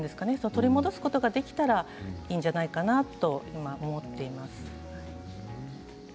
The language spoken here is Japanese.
取り戻すことができたらいいんじゃないかなと思っています。